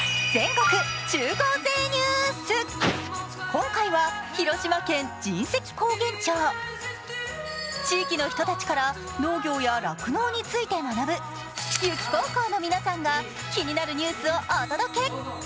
今回は広島県神石高原町、地域の人たちから農業や酪農について学ぶ油木高校の皆さんが気になるニュースをお届け。